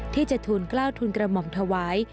ที่จะทูลกล้าวทุนกระหม่อมถวาย